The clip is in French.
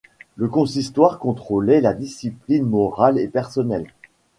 Le consistoire contrôlait la discipline morale et personnelle.